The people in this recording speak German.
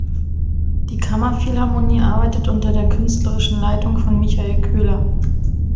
Die Kammerphilharmonie arbeitet unter der künstlerischen Leitung von Michael Köhler.